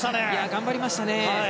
頑張りましたね。